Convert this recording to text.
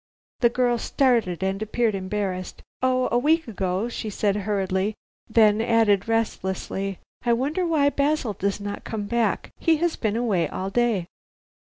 The girl started and appeared embarrassed. "Oh, a week ago," she said hurriedly, then added restlessly, "I wonder why Basil does not come back. He has been away all day."